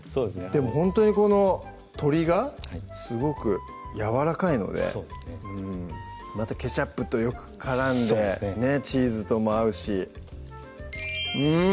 でもほんとにこの鶏がすごくやわらかいのでそうですねまたケチャップとよく絡んでチーズとも合うしうん！